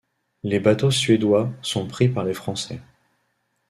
Les bateaux suédois sont pris par les Français.